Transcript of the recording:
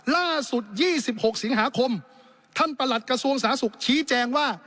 ล่าสุด๒๖สิงหาคมท่านประหลัดกระทรวงสาธารณสุขชี้แจงว่า